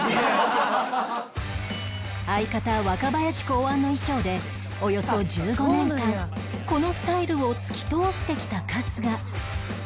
相方若林考案の衣装でおよそ１５年間このスタイルを突き通してきた春日